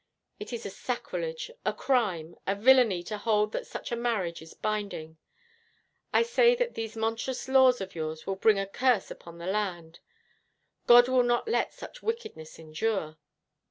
It is a sacrilege, a crime, a villany to hold that such a marriage is binding. I say that these monstrous laws of yours will bring a curse upon the land God will not let such wickedness endure.'